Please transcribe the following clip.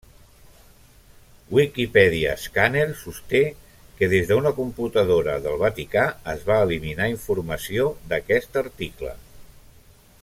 Wikipedia Escàner sosté que des d'una computadora del Vaticà es va eliminar informació d'aquest article.